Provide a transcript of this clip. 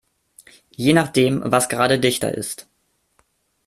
Je nachdem, was gerade dichter ist.